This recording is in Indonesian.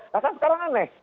nah kan sekarang aneh